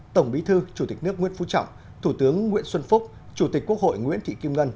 tổng bí thư chủ tịch nước nguyễn phú trọng thủ tướng nguyễn xuân phúc chủ tịch quốc hội nguyễn thị kim ngân